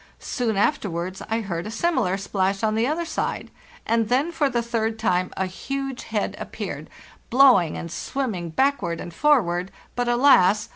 Soon afterwards I heard a similar splash on the other side, and then for the third time a huge head appeared, blowing and swimming backward and forward, but, alas!